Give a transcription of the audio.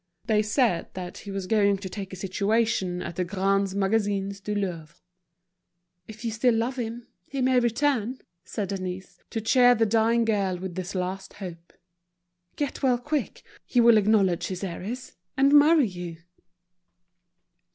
They said that he was going to take a situation at the Grands Magasins du Louvre. "If you still love him, he may return," said Denise, to cheer the dying girl with this last hope. "Get well quick, he will acknowledge his errors, and marry you."